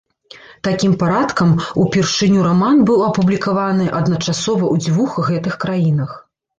Такім парадкам, упершыню раман быў апублікаваны адначасова ў дзвюх гэтых краінах.